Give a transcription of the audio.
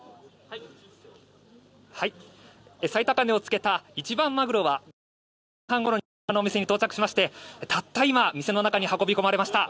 最高値をつけた一番マグロはこのお店に到着しましてたった今、運び込まれました。